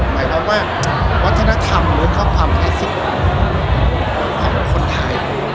หมายถึงวัฒนธรรมหรือความแคสสิกของคนไทย